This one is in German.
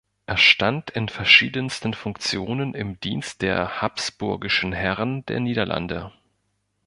Er stand in verschiedensten Funktionen im Dienst der habsburgischen Herren der Niederlande.